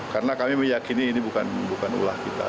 karena kami meyakini ini bukan ulah kita